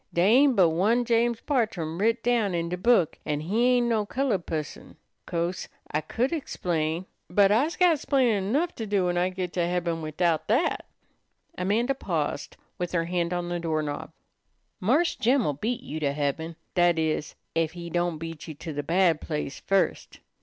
Dey ain't but one James Bartrum writ down in de book, an' he ain't no colored pusson.' 'Co'se I could explain, but I's got 'splainin' 'nough to do when I git to heaben widout dat." Amanda paused with her hand on the doorknob. "Marse Jim'll beat you to heaben; that is, ef he don't beat you to the bad place first.